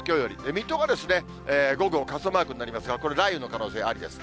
水戸が午後傘マークになりますが、これ、雷雨の可能性ありです。